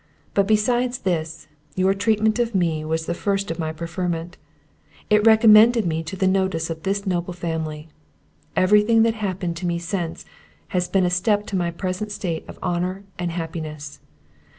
But besides this, your treatment of me was the first of my preferment; it recommended me to the notice of this noble family. Everything that happened to me since, has been a step to my present state of honour and happiness.